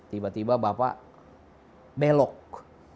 tiba tiba bapak belok